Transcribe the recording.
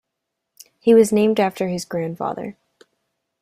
He was named after his grandfather.